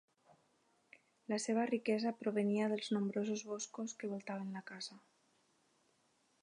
La seva riquesa provenia dels nombrosos boscos que voltaven la casa.